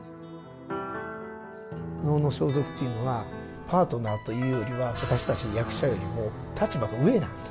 能の装束というのはパートナーというよりは私たち役者よりも立場が上なんです。